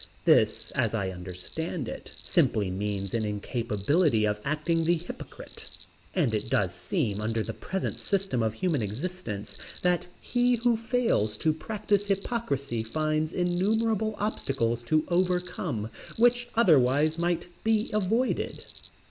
This, as I understand it, simply means an incapability of acting the hypocrite. And it does seem under the present system of human existence, that he who fails to practice hypocrisy finds innumerable obstacles to overcome, which otherwise might be avoided.